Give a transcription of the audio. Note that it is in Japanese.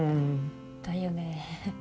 だよね。